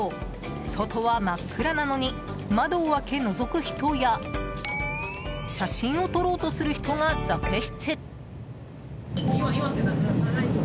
外は真っ暗なのに窓を開けのぞく人や写真を撮ろうとする人が続出。